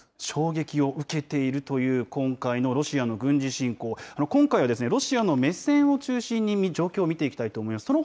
衝撃を受けているという今回のロシアの軍事侵攻、今回はですね、ロシアの目線を中心に状況を見ていきたいと思います。